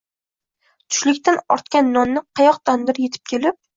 Tushlikdan ortgan nonni qayoqdandir yetib kelib